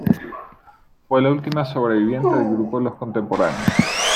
Fue la última sobreviviente del grupo Los Contemporáneos.